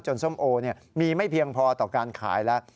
ส้มโอมีไม่เพียงพอต่อการขายแล้ว